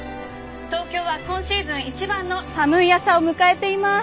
東京は今シーズン一番の寒い朝を迎えています。